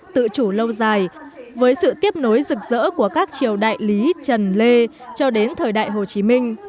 tự chủ lâu dài với sự tiếp nối rực rỡ của các triều đại lý trần lê cho đến thời đại hồ chí minh